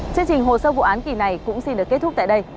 chương trình hồ sơ vụ án kỳ này cũng xin được kết thúc tại đây